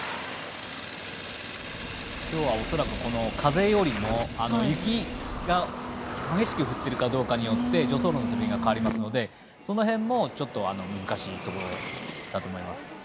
きょうは恐らく風よりも雪が激しく振っているかどうかによって助走路の滑りが変わりますので、その辺も難しいところだと思います。